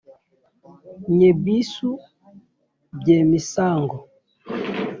ny’ebisu by’emisango